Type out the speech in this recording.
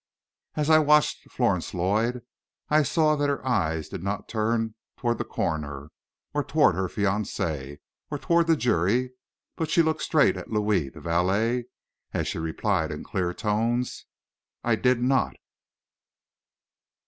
As I watched Florence Lloyd I saw that her eyes did not turn toward the coroner, or toward her fiance, or toward the jury, but she looked straight at Louis, the valet, as she replied in clear tones, "I did not."